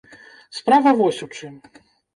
Справа вось у чым.